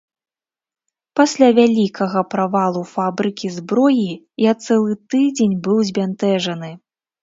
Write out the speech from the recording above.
Пасля вялікага правалу фабрыкі зброі, я цэлы тыдзень быў збянтэжаны.